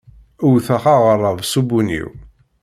Wteɣ aɣrab s ubunyiw.